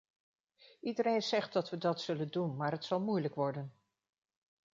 Iedereen zegt dat we dat zullen doen, maar het zal moeilijk worden.